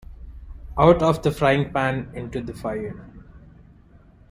Out of the frying-pan into the fire.